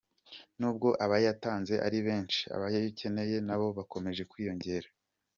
Nubwo abayatanze ari benshi, abayakeneye nabo bakomeje kwiyongera.